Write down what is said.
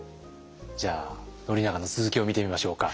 じゃあ宣長の続きを見てみましょうか。